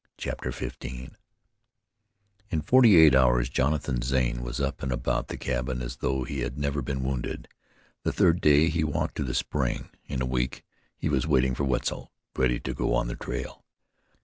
CHAPTER XV In forty eight hours Jonathan Zane was up and about the cabin as though he had never been wounded; the third day he walked to the spring; in a week he was waiting for Wetzel, ready to go on the trail.